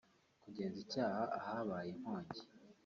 kugenza icyaha ahabaye inkongi